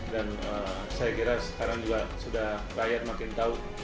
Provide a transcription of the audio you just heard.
dan saya kira sekarang juga sudah rakyat makin tahu